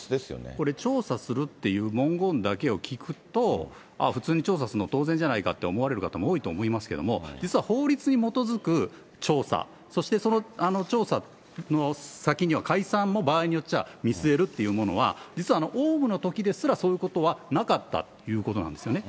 これ、調査するっていう文言だけを聞くと、普通に調査するの当然じゃないかと思われる方も多いと思いますけれども、実は法律に基づく調査、そしてその調査の先には、解散も場合によっちゃ見据えるというものは、実はオウムのときですらそういうことはなかったということなんですね。